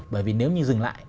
bởi vì nếu như dừng lại